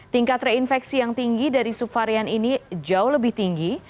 tingkat reinfeksi yang tinggi dari subvarian ini jauh lebih tinggi